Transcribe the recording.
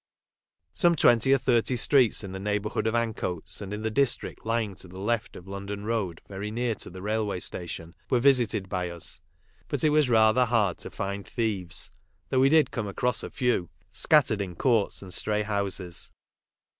Some twenty or thirty streets in the neighbour hood of Ancoats and in the district lying to the left of London road, very near to the railway station, were visited by us, but it was rather hard to find thieves, though we did come across a few, scattered in courts and stray houses.